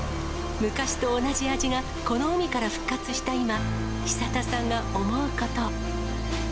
昔と同じ味がこの海から復活した今、久田さんが思うこと。